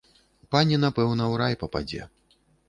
Пані напэўна ў рай пападзе.